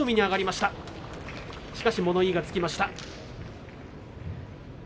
しかし物言いがつきました。